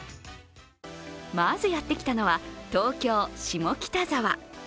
まずやってきたのは東京・下北沢。